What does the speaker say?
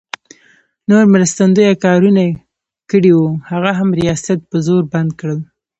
نور مرستندویه کارونه کړي وو، هغه هم ریاست په زور بند کړل.